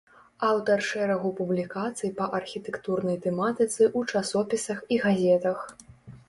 Аўтар шэрагу публікацый па архітэктурнай тэматыцы ў часопісах і газетах.